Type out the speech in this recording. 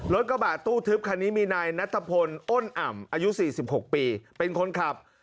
กระบาดตู้ทึบคันนี้มีนายนัทพลอ้นอ่ำอายุ๔๖ปีเป็นคนขับ